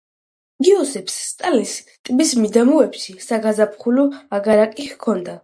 იოსებ სტალინს ტბის მიდამოებში საზაფხულო აგარაკი ჰქონდა.